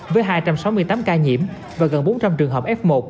với hai trăm sáu mươi tám ca nhiễm và gần bốn trăm linh trường hợp f một